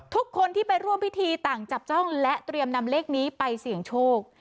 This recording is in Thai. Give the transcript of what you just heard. ทุกคนที่ไปร่วมพิธีต่างจับจ้องและเตรียมนำเลขนี้ไปเสี่ยงโชค